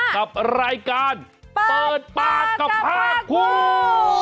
กับรายการเปิดปากกับผ้างคลุม